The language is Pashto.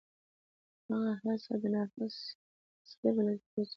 دغه هڅه د نفس تزکیه بلل کېږي.